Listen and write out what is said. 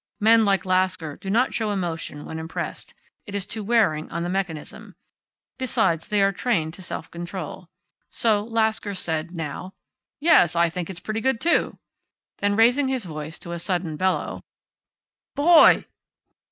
Men like Lasker do not show emotion when impressed. It is too wearing on the mechanism. Besides, they are trained to self control. So Lasker said, now: "Yes, I think it's pretty good, too." Then, raising his voice to a sudden bellow, "Boy!"